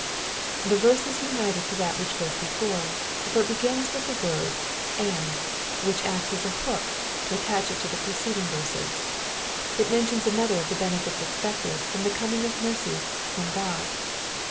The verse is united to that which goes before, for it begins with the word And," which acts as a hook to attach it to the preceding verses. It mentions another of the benefits expected from the coming of mercies from God.